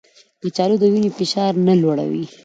کچالو د وینې فشار نه لوړوي